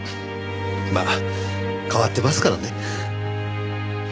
まあ変わってますからね。